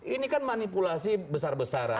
ini kan manipulasi besar besaran